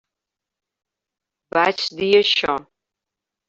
Vaig dir això.